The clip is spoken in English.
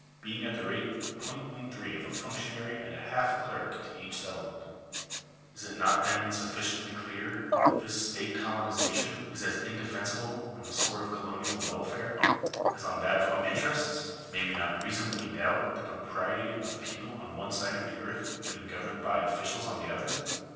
being at the rate of 0*13 of a functionary and half a clerk to each settlement ! Is it not, then, sufficiently clear that this state colonization is as indefensible on the score of colonial welfare, as on that of home interests? May we not reasonably doubt the pro priety of people on one side of the earth being governed by officials on the other